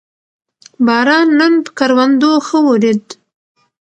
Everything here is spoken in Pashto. باران نن پر کروندو ښه ورېد